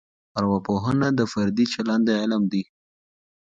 ارواپوهنه د فردي چلند علم دی.